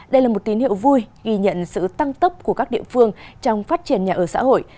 đây là một tín hiệu vui ghi nhận sự tăng tốc của các địa phương trong phát triển nhà ở xã hội